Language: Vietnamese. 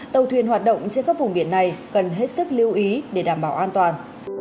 tàu thuyền hoạt động trên các vùng biển này cần hết sức lưu ý để đảm bảo an toàn